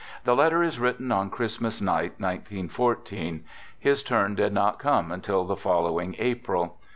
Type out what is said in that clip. The letter is written on Christmas night, 1914. His turn did not come until the following April.